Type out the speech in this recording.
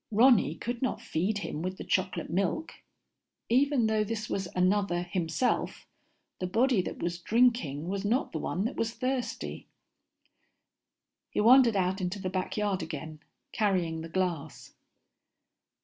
Ronny could not feed him with the chocolate milk. Even though this was another himself, the body that was drinking was not the one that was thirsty. He wandered out into the backyard again, carrying the glass.